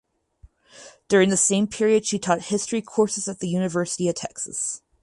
During the same period she taught history courses at the University of Texas.